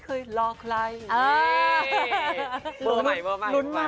เวอร์ใหม่เลยนะก๊ะ